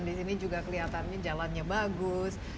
dan disini juga kelihatannya jalannya bagus